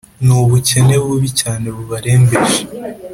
nu bukene bubi cyane bubarembeje